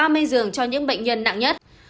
mây dường cho những bệnh nhân nặng nhất